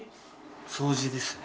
掃除ですね。